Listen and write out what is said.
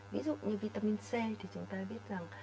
ví dụ như vitamin c thì chúng ta biết rằng